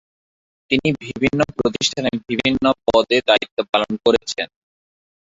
তিনি বিভিন্ন প্রতিষ্ঠানে বিভিন্ন পদে দায়িত্ব পালন করেছেন।